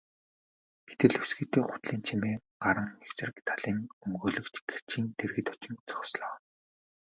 Гэтэл өсгийтэй гутлын чимээ гаран эсрэг талын өмгөөлөгч гэрчийн дэргэд очин зогслоо.